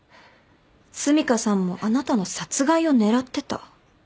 澄香さんもあなたの殺害を狙ってた。